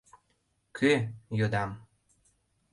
— Кӧ? — йодам.